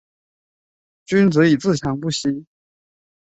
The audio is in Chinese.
君子以自强不息